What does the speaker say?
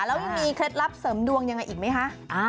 แล้วยังมีเคล็ดลับเสริมดวงยังไงอีกไหมคะ